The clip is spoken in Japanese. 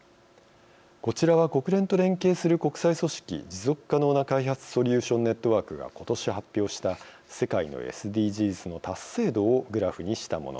こちらは国連と連携する国際組織持続可能な開発ソリューション・ネットワークが今年発表した世界のＳＤＧｓの達成度をグラフにしたものです。